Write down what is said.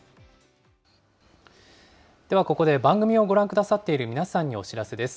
ではここで番組をご覧くださっている皆さんにお知らせです。